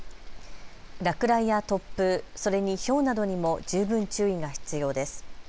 落雷や突風それにひょうなどにも十分注意が必要です。